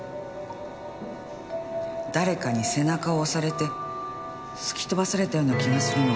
誰かに背中を押されて突き飛ばされたような気がするの。